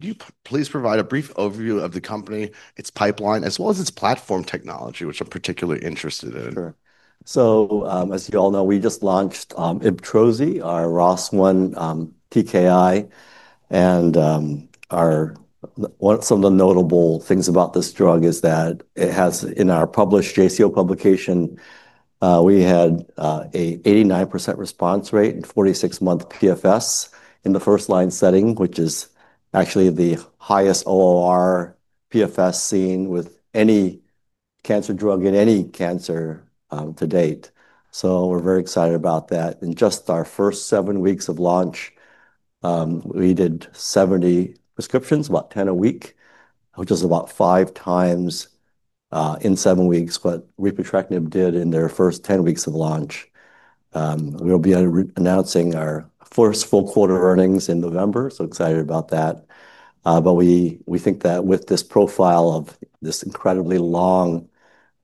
Can you please provide a brief overview of the company, its pipeline, as well as its platform technology, which I'm particularly interested in? Sure. As you all know, we just launched IBTROZI, our ROS1 TKI. Some of the notable things about this drug are that it has, in our published JCO publication, an 89% response rate and 46-month PFS in the first-line setting, which is actually the highest ORR PFS seen with any cancer drug in any cancer to date. We're very excited about that. In just our first seven weeks of launch, we did 70 prescriptions, about 10 a week, which is about 5x in seven weeks what repotrectinib did in their first 10 weeks of launch. We'll be announcing our first full quarter earnings in November, so excited about that. We think that with this profile of this incredibly long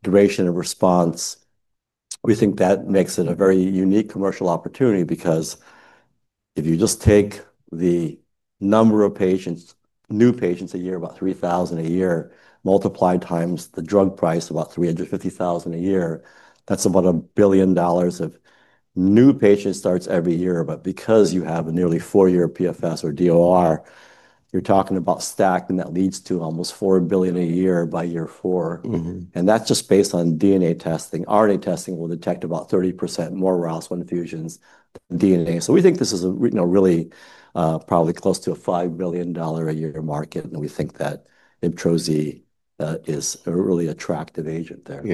duration of response, it makes it a very unique commercial opportunity because if you just take the number of patients, new patients a year, about 3,000 a year, multiplied times the drug price, about $350,000 a year, that's about $1 billion of new patient starts every year. Because you have a nearly four-year PFS or DOR, you're talking about stacking that leads to almost $4 billion a year by year four. That's just based on DNA testing. RNA testing will detect about 30% more ROS1 fusions than DNA. We think this is probably close to a $5 billion a year market. We think that IBTROZI is a really attractive agent there.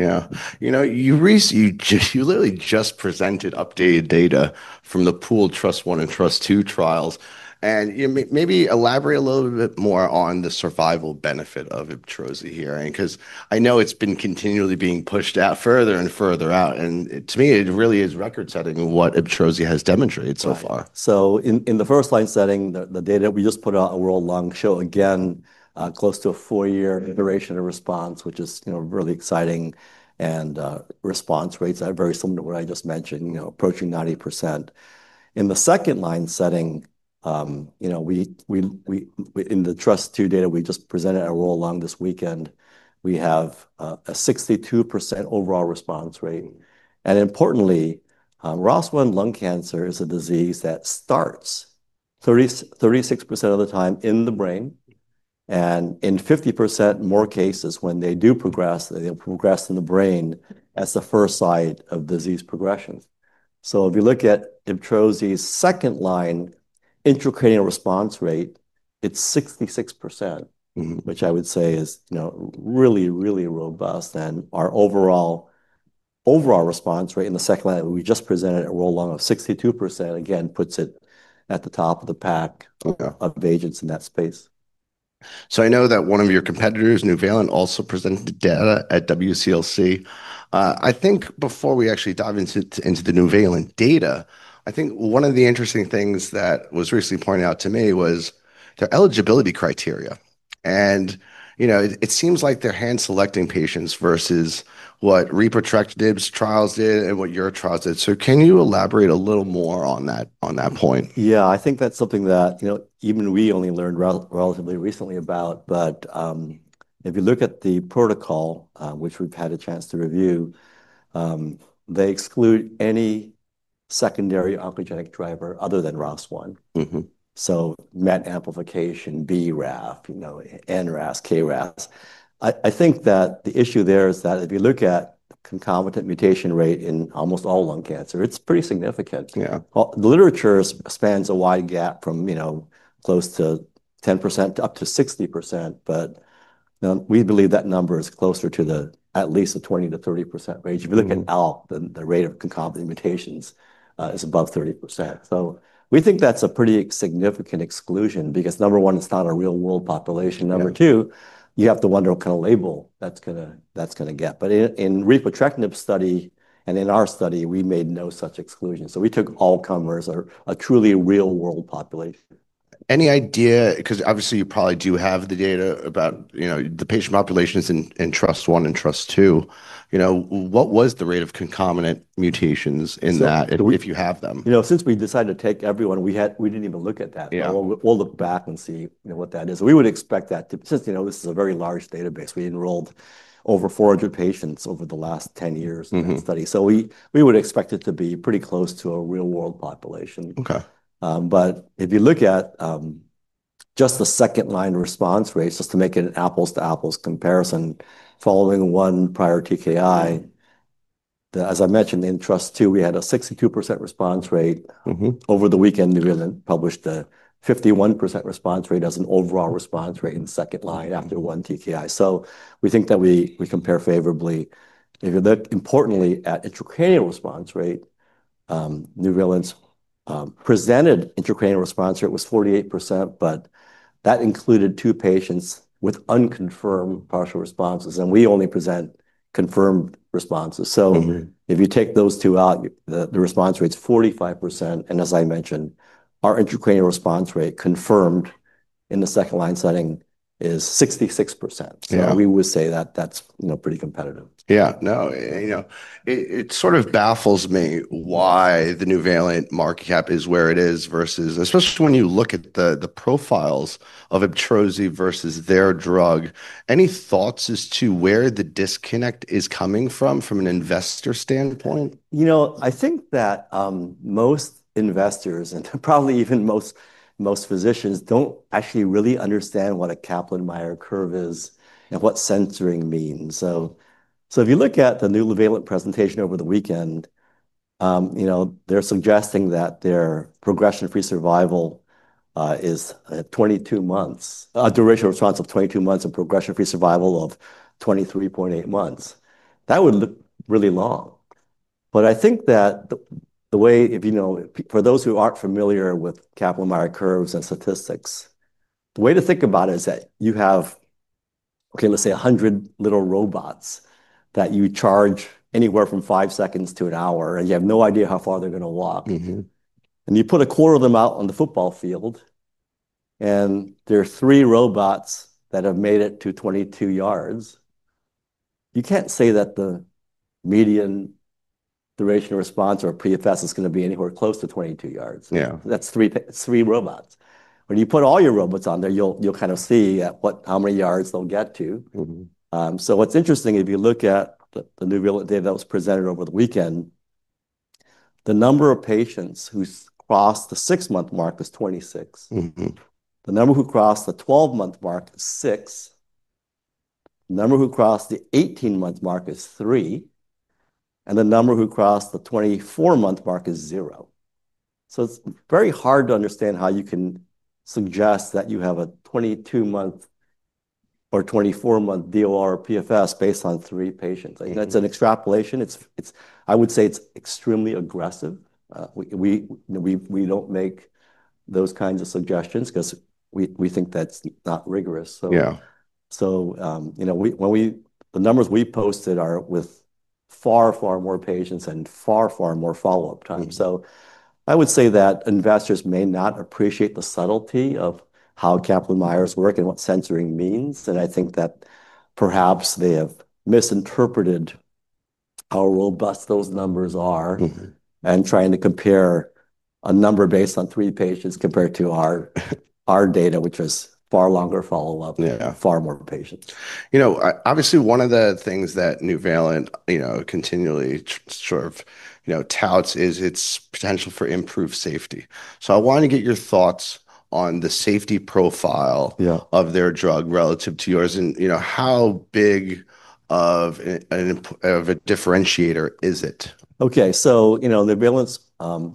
You know, you recently just, you literally just presented updated data from the pooled TRUST-I and TRUST-II trials. Maybe elaborate a little bit more on the survival benefit of IBTROZI here, because I know it's been continually being pushed out further and further out. To me, it really is record-setting what IBTROZI has demonstrated so far. In the first-line setting, the data we just put out at a world-long show again, close to a four-year duration of response, which is really exciting. Response rates are very similar to what I just mentioned, approaching 90%. In the second-line setting, in the TRUST-II data, we just presented a roll-along this weekend. We have a 62% overall response rate. Importantly, ROS1 lung cancer is a disease that starts 36% of the time in the brain. In 50% more cases, when they do progress, they progress in the brain as the first site of disease progression. If you look at IBTROZI 's second-line intracranial response rate, it's 66%, which I would say is really, really robust. Our overall response rate in the second line, we just presented a roll-along of 62%. Again, puts it at the top of the pack of agents in that space. I know that one of your competitors, Nuvalent, also presented data at WCLC. I think before we actually dive into the Nuvalent data, one of the interesting things that was recently pointed out to me was their eligibility criteria. It seems like they're hand-selecting patients versus what repotrectinib's trials did and what your trials did. Can you elaborate a little more on that point? Yeah, I think that's something that even we only learned relatively recently about. If you look at the protocol, which we've had a chance to review, they exclude any secondary oncogenic driver other than ROS1. MET amplification, BRAF, NRAS, KRAS. I think that the issue there is that if you look at concomitant mutation rate in almost all lung cancer, it's pretty significant. The literature spans a wide gap from close to 10% to up to 60%. We believe that number is closer to at least the 20%-30% range. If you look at all, the rate of concomitant mutations is above 30%. We think that's a pretty significant exclusion because, number one, it's not a real-world population. Number two, you have to wonder what kind of label that's going to get. In repotrectinib's study and in our study, we made no such exclusion. We took all comers or a truly real-world population. Any idea, because obviously you probably do have the data about the patient populations in TRUST-I and TRUST-II, what was the rate of concomitant mutations in that, if you have them? You know, since we decided to take everyone, we didn't even look at that. We'll look back and see what that is. We would expect that, since this is a very large database, we enrolled over 400 patients over the last 10 years in the study. We would expect it to be pretty close to a real-world population. If you look at just the second-line response rates, just to make an apples-to-apples comparison, following one prior TKI, as I mentioned, in TRUST-II, we had a 62% response rate. Over the weekend, Nuvalent published a 51% response rate as an overall response rate in second line after one TKI. We think that we compare favorably. If you look importantly at intracranial response rate, Nuvalent's presented intracranial response rate was 48%. That included two patients with unconfirmed partial responses. We only present confirmed responses. If you take those two out, the response rate's 45%. As I mentioned, our intracranial response rate confirmed in the second-line setting is 66%. We would say that that's pretty competitive. Yeah, no, you know, it sort of baffles me why the Nuvalent market capitalization is where it is versus, especially when you look at the profiles of IBTROZI versus their drug. Any thoughts as to where the disconnect is coming from, from an investor standpoint? I think that most investors, and probably even most physicians, don't actually really understand what a Kaplan-Meier curve is and what censoring means. If you look at the new Nuvalent presentation over the weekend, they're suggesting that their progression-free survival is a 22-month duration of response of 22 months and progression-free survival of 23.8 months. That would look really long. For those who aren't familiar with Kaplan-Meier curves and statistics, the way to think about it is that you have, OK, let's say 100 little robots that you charge anywhere from five seconds to an hour. You have no idea how far they're going to walk. You put a quarter of them out on the football field, and there are three robots that have made it to 22 yd. You can't say that the median duration of response or PFS is going to be anywhere close to 22 yd. Yeah. That's three robots. When you put all your robots on there, you'll kind of see how many yards they'll get to. What's interesting, if you look at the Nuvalent data that was presented over the weekend, the number of patients who crossed the six-month mark was 26. The number who crossed the 12-month mark is 6. The number who crossed the 18-month mark is 3. The number who crossed the 24-month mark is 0. It's very hard to understand how you can suggest that you have a 22-month or 24-month DOR PFS based on three patients. That's an extrapolation. I would say it's extremely aggressive. We don't make those kinds of suggestions because we think that's not rigorous. Yeah. The numbers we posted are with far, far more patients and far, far more follow-up time. I would say that investors may not appreciate the subtlety of how Kaplan-Meier's work and what censoring means. I think that perhaps they have misinterpreted how robust those numbers are and are trying to compare a number based on three patients compared to our data, which has far longer follow-up and far more patients. Obviously, one of the things that Nuvalent continually sort of touts is its potential for improved safety. I want to get your thoughts on the safety profile of their drug relative to yours and how big of a differentiator is it? OK, so Nuvalent's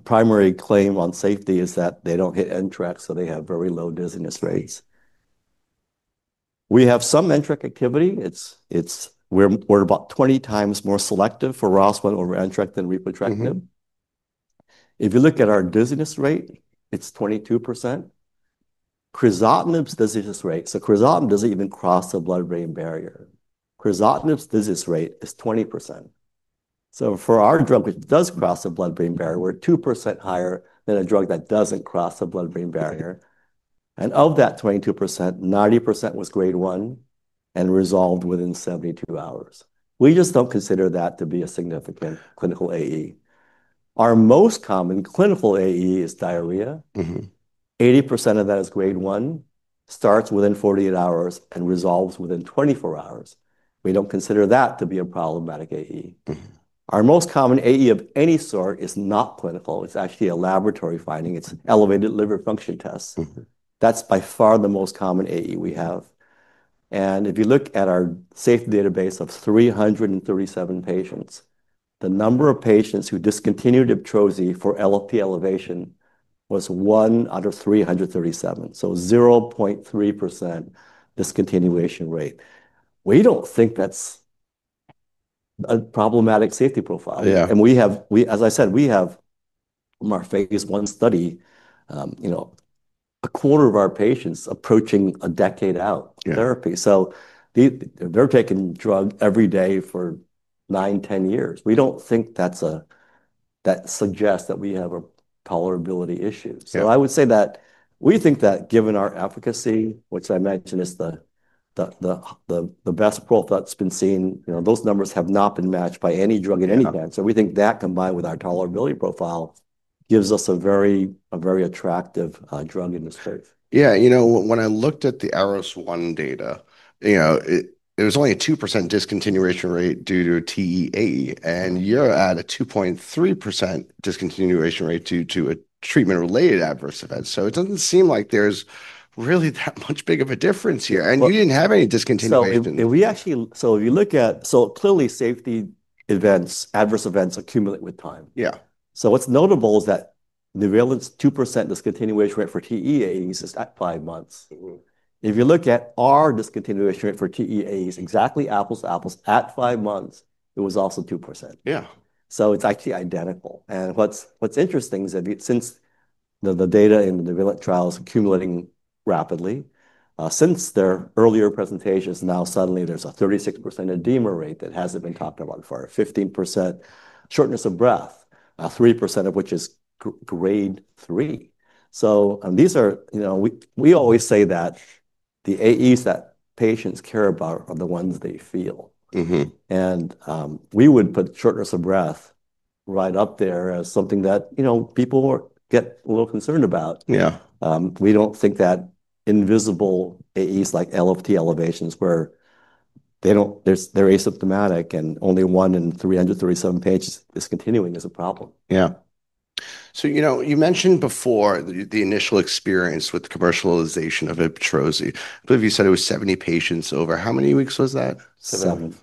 primary claim on safety is that they don't hit [NTRK], so they have very low dizziness rates. We have some [NTRK] activity. We're about 20x more selective for ROS1 over [NTRK] than repotrectinib. If you look at our dizziness rate, it's 22%. crizotinib's dizziness rate, so crizotinib doesn't even cross the blood-brain barrier. crizotinib's dizziness rate is 20%. For our drug, it does cross the blood-brain barrier. We're 2% higher than a drug that doesn't cross the blood-brain barrier. Of that 22%, 90% was grade 1 and resolved within 72 hours. We just don't consider that to be a significant clinical AE. Our most common clinical AE is diarrhea. 80% of that is grade 1, starts within 48 hours, and resolves within 24 hours. We don't consider that to be a problematic AE. Our most common AE of any sort is not clinical. It's actually a laboratory finding. It's elevated liver function tests. That's by far the most common AE we have. If you look at our safety database of 337 patients, the number of patients who discontinued IBTROZI for LFT elevation was 1 out of 337, so 0.3% discontinuation rate. We don't think that's a problematic safety profile. Yeah. As I said, we have from our phase I study a quarter of our patients approaching a decade out of therapy. They're taking drug every day for nine years, 10 years. We don't think that suggests that we have a tolerability issue. I would say that we think that given our efficacy, which I imagine is the best profile that's been seen, those numbers have not been matched by any drug in any path. We think that combined with our tolerability profile gives us a very attractive drug in this space. Yeah, you know, when I looked at the ROS1 data, you know, there was only a 2% discontinuation rate due to TEA. You're at a 2.3% discontinuation rate due to a treatment-related adverse event. It doesn't seem like there's really that much big of a difference here. You didn't have any discontinuation. If you look at, clearly safety events, adverse events accumulate with time. Yeah. What's notable is that Nuvalent's 2% discontinuation rate for TEAs is at five months. If you look at our discontinuation rate for TEAs, exactly apples to apples, at five months, it was also 2%. Yeah. It is actually identical. What's interesting is that since the data in the Nuvalent trials is accumulating rapidly, since their earlier presentations, now suddenly there's a 36% edema rate that hasn't been talked about for 15%, shortness of breath, 3% of which is grade 3. These are, you know, we always say that the AEs that patients care about are the ones they feel. We would put shortness of breath right up there as something that, you know, people get a little concerned about. Yeah. We don't think that invisible AEs like LFT elevations where they're asymptomatic and only one in 337 patients discontinuing is a problem. Yeah. You mentioned before the initial experience with commercialization of IBTROZI. I believe you said it was 70 patients over. How many weeks was that? Seven.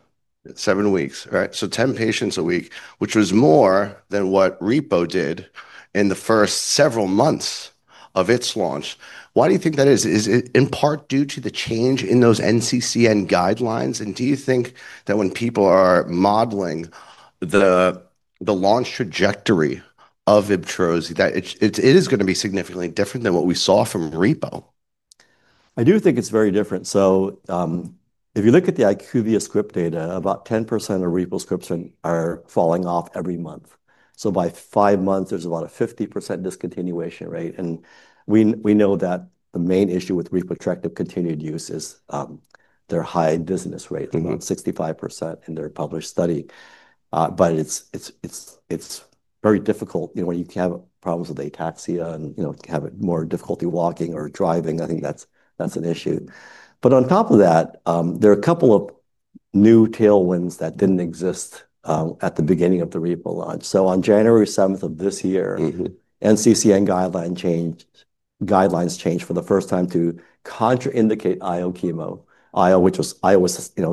Seven weeks, right? 10 patients a week, which was more than what repotrectinib did in the first several months of its launch. Why do you think that is? Is it in part due to the change in those NCCN guidelines? Do you think that when people are modeling the launch trajectory of IBTROZI, it is going to be significantly different than what we saw from repotrectinib? I do think it's very different. If you look at the IQVIA script data, about 10% of repo scripts are falling off every month. By five months, there's about a 50% discontinuation rate. We know that the main issue with repotrectinib in continued use is their high dizziness rate, about 65% in their published study. It's very difficult, you know, when you have problems with ataxia and have more difficulty walking or driving. I think that's an issue. On top of that, there are a couple of new tailwinds that didn't exist at the beginning of the repo launch. On January 7th of this year, NCCN guidelines changed for the first time to contraindicate IO chemo. IO, which was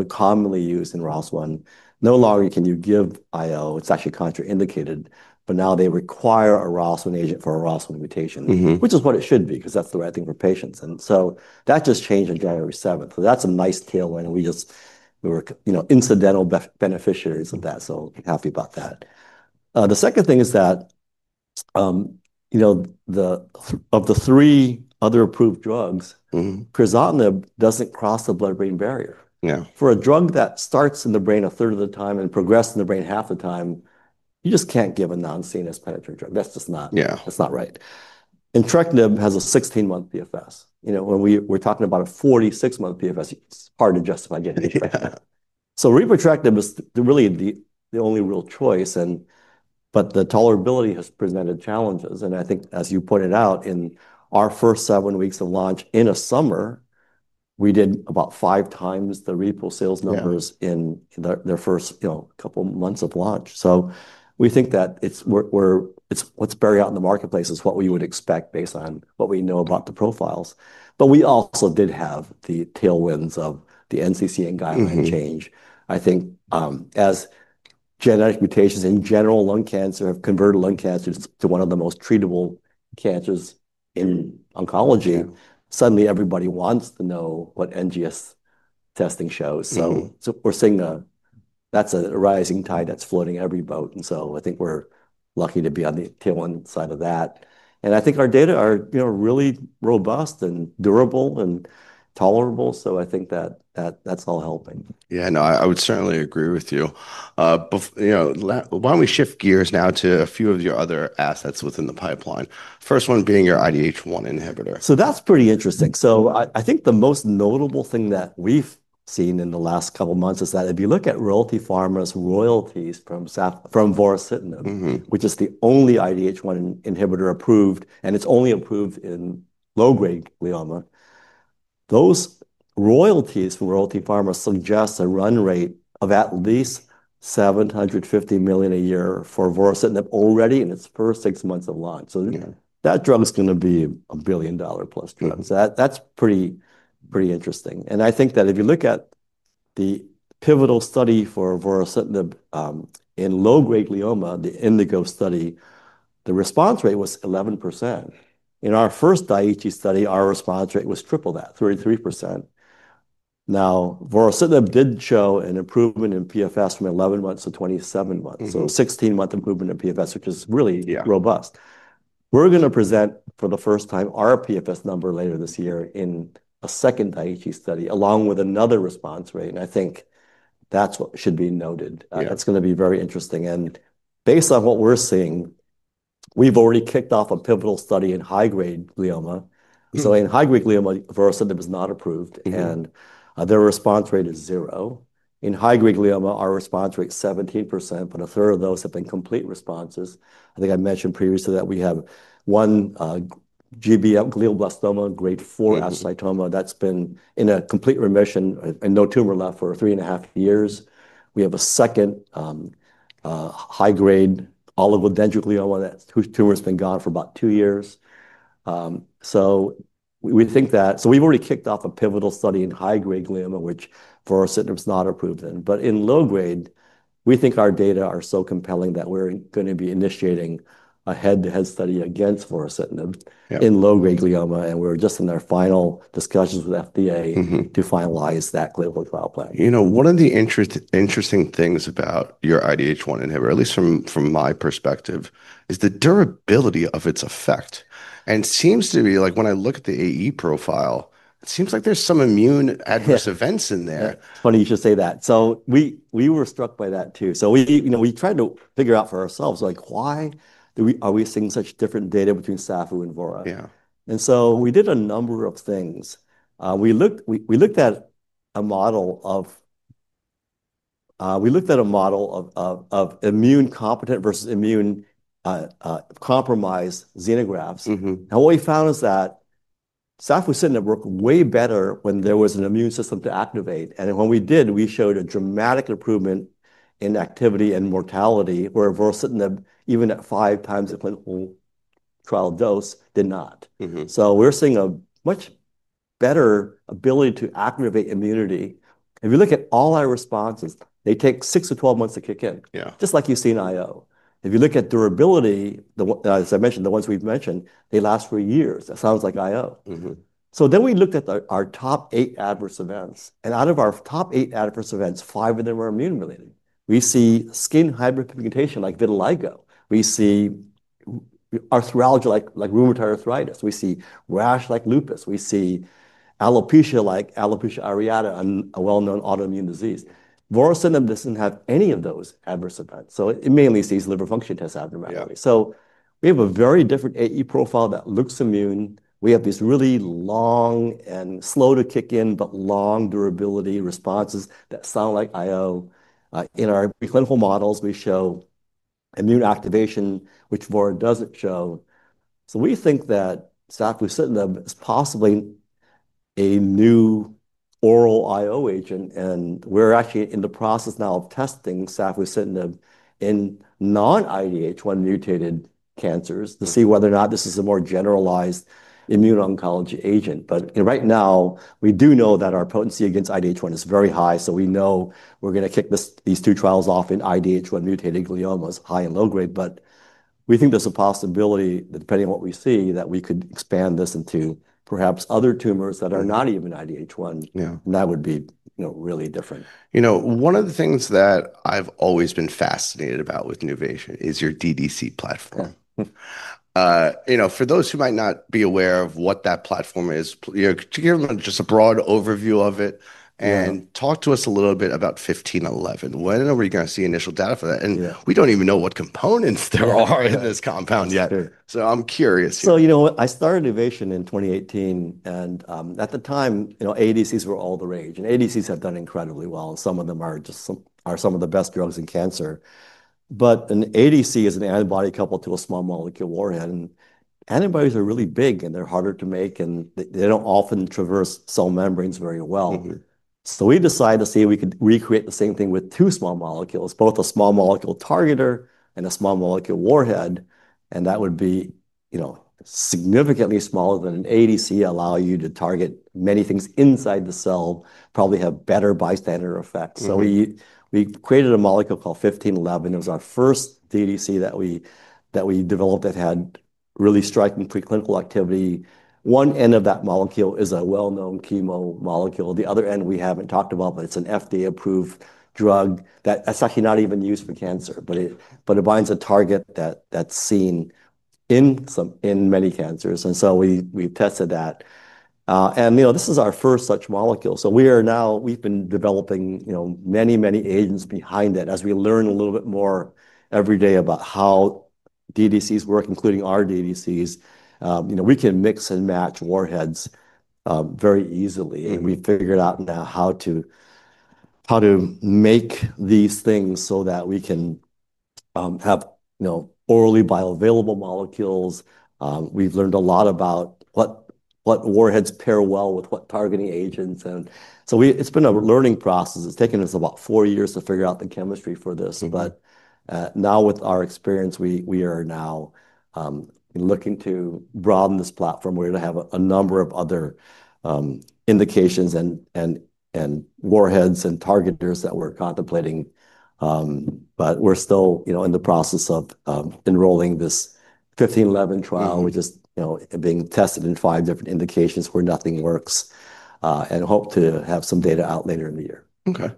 commonly used in ROS1, no longer can you give IO. It's actually contraindicated. Now they require a ROS1 agent for a ROS1 mutation, which is what it should be because that's the right thing for patients. That just changed on January 7th. That's a nice tailwind. We were incidental beneficiaries of that, so happy about that. The second thing is that, of the three other approved drugs, crizotinib doesn't cross the blood-brain barrier. Yeah. For a drug that starts in the brain a third of the time and progresses in the brain half the time, you just can't give a non-CNS penetrating drug. That's just not, that's not right. repotrectinib has a 16-month PFS. You know, when we're talking about a 46-month PFS, it's hard to justify getting anything. repotrectinib is really the only real choice. The tolerability has presented challenges. I think, as you pointed out, in our first seven weeks of launch in a summer, we did about five times the repotrectinib sales numbers in their first couple of months of launch. We think that it's what's borne out in the marketplace, which is what we would expect based on what we know about the profiles. We also did have the tailwinds of the NCCN guideline change. I think as genetic mutations in general lung cancer have converted lung cancer to one of the most treatable cancers in oncology, suddenly everybody wants to know what NGS testing shows. We're seeing a, that's a rising tide that's floating every boat. I think we're lucky to be on the tailwind side of that. I think our data are really robust and durable and tolerable. I think that that's all helping. Yeah, no, I would certainly agree with you. You know, why don't we shift gears now to a few of your other assets within the pipeline, first one being your IDH1 inhibitor? That's pretty interesting. I think the most notable thing that we've seen in the last couple of months is that if you look at Royalty Pharma's royalties from vorasidenib, which is the only IDH1 inhibitor approved, and it's only approved in low-grade glioma, those royalties from Royalty Pharma suggest a run rate of at least $750 million a year for vorasidenib already in its first six months of launch. That drug's going to be a billion-dollar-plus drug. That's pretty interesting. I think that if you look at the pivotal study for vorasidenib in low-grade glioma, the INDIGO study, the response rate was 11%. In our first IHE study, our response rate was triple that, 33%. Now, vorasidenib did show an improvement in PFS from 11 months to 27 months, a 16-month improvement in PFS, which is really robust. We're going to present for the first time our PFS number later this year in a second IHE study along with another response rate. I think that's what should be noted. That's going to be very interesting. Based on what we're seeing, we've already kicked off a pivotal study in high-grade glioma. In high-grade glioma, vorasidenib is not approved, and their response rate is zero. In high-grade glioma, our response rate is 17%, but a third of those have been complete responses. I think I mentioned previously that we have one glioblastoma grade 4 astrocytoma that's been in a complete remission and no tumor left for three and a half years. We have a second high-grade oligodendroglioma whose tumor has been gone for about two years. We think that we've already kicked off a pivotal study in high-grade glioma, which vorasidenib is not approved in. In low grade, we think our data are so compelling that we're going to be initiating a head-to-head study against vorasidenib in low-grade glioma. We're just in our final discussions with FDA to finalize that clinical trial plan. You know, one of the interesting things about your IDH1 inhibitor, at least from my perspective, is the durability of its effect. It seems to be like when I look at the AE profile, it seems like there's some immune adverse events in there. Yeah, funny you should say that. We were struck by that too. We tried to figure out for ourselves, like, why are we seeing such different data between safusidenib and vorasidenib? Yeah. We did a number of things. We looked at a model of immune competent versus immune compromised xenografts. What we found is that safusidenib and cytinib work way better when there was an immune system to activate. When we did, we showed a dramatic improvement in activity and mortality where vorasidenib, even at five times a clinical trial dose, did not. We're seeing a much better ability to activate immunity. If you look at all our responses, they take 6 months-12 months to kick in. Yeah. Just like you've seen in IO. If you look at durability, as I mentioned, the ones we've mentioned, they last for years. That sounds like IO. We looked at our top eight adverse events, and out of our top eight adverse events, five of them are immune related. We see skin hyperpigmentation like vitiligo. We see arthralgia like rheumatoid arthritis. We see rash like lupus. We see alopecia like alopecia areata, a well-known autoimmune disease. Vorasidenib doesn't have any of those adverse events. It mainly sees liver function tests abnormality. We have a very different AE profile that looks immune. We have these really long and slow to kick in, but long durability responses that sound like IO. In our clinical models, we show immune activation, which vorasidenib doesn't show. We think that safusidenib is possibly a new oral IO agent. We're actually in the process now of testing safusidenib in non-IDH1 mutated cancers to see whether or not this is a more generalized immuno-oncology agent. Right now, we do know that our potency against IDH1 is very high. We know we're going to kick these two trials off in IDH1 mutated gliomas, high and low grade. We think there's a possibility, depending on what we see, that we could expand this into perhaps other tumors that are not even IDH1. Yeah. That would be really different. You know, one of the things that I've always been fascinated about with Nuvation is your DDC platform. For those who might not be aware of what that platform is, to give them just a broad overview of it and talk to us a little bit about NUV-1511. When are we going to see initial data for that? We don't even know what components there are in this compound yet. That's true. I'm curious. I started Nuvation in 2018. At the time, ADCs were all the rage. ADCs have done incredibly well, and some of them are just some of the best drugs in cancer. An ADC is an antibody coupled to a small molecule warhead. Antibodies are really big, and they're harder to make, and they don't often traverse cell membranes very well. We decided to see if we could recreate the same thing with two small molecules, both a small molecule targeter and a small molecule warhead. That would be significantly smaller than an ADC, allow you to target many things inside the cell, and probably have better bystander effects. We created a molecule called NUV-1511. It was our first DDC that we developed that had really striking preclinical activity. One end of that molecule is a well-known chemo molecule. The other end we haven't talked about, but it's an FDA-approved drug that is actually not even used for cancer, but it binds a target that's seen in many cancers. We tested that. This is our first such molecule. We are now developing many agents behind it. As we learn a little bit more every day about how DDCs work, including our DDCs, we can mix and match warheads very easily. We figured out now how to make these things so that we can have orally bioavailable molecules. We've learned a lot about what warheads pair well with what targeting agents, and it's been a learning process. It's taken us about four years to figure out the chemistry for this. Now, with our experience, we are looking to broaden this platform. We're going to have a number of other indications and warheads and targeters that we're contemplating. We're still in the process of enrolling this NUV-1511 trial, which is being tested in five different indications where nothing works, and hope to have some data out later in the year. OK.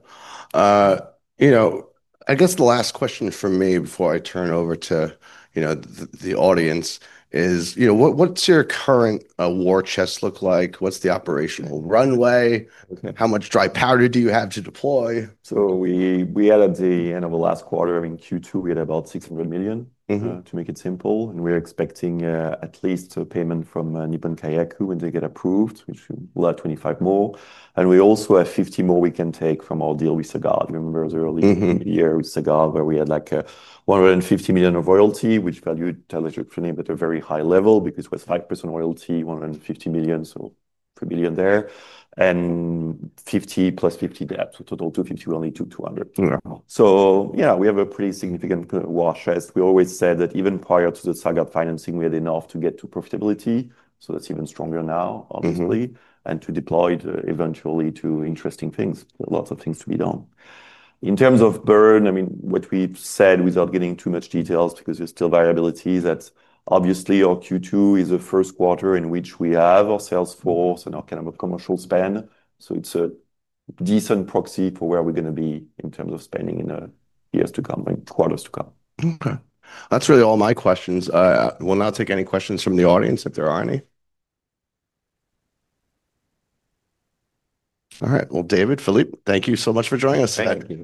I guess the last question for me before I turn over to the audience is, what's your current war chest look like? What's the operational runway? How much dry powder do you have to deploy? We added at the end of the last quarter. In Q2, we had about $600 million to make it simple. We're expecting at least a payment from Nippon Kayaku when they get approved, which will add $25 million. We also have $50 million we can take from our deal with SeaGen. You remember the early year with SeaGen where we had like $150 million of royalty, which valued taletrectinib at a very high level because it was 5% royalty, $150 million, so $2 million there, and $50 million + $50 million debt. Total $250 million only to $200 million. Wow. Yes, we have a pretty significant war chest. We always said that even prior to the SeaGen financing, we had enough to get to profitability. That's even stronger now, honestly, and to deploy eventually to interesting things, lots of things to be done. In terms of burn, what we said without getting too much detail, because there's still variability, is that obviously our Q2 is the first quarter in which we have our sales force and our kind of commercial spend. It's a decent proxy for where we're going to be in terms of spending in the years to come and quarters to come. OK. That's really all my questions. We'll now take any questions from the audience if there are any. All right. David, Philippe, thank you so much for joining us today.